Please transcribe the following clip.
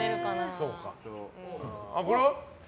これは？